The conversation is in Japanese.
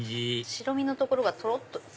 白身のところがとろっと。